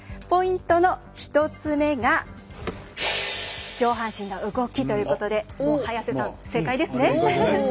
ポイントの１つ目が上半身の動きということで早瀬さん、正解ですね。